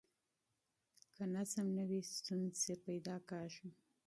که نظم نه وي، ستونزې پیدا کېږي.